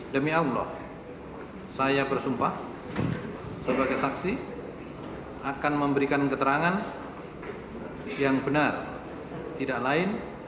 demi allah saya bersumpah sebagai saksi akan memberikan keterangan yang benar tidak lain